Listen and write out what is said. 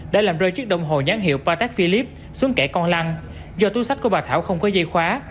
đã làm rơi chiếc đồng hồ nhãn hiệu patek philippe xuống kẻ con lăng do túi sách của bà thảo không có dây khóa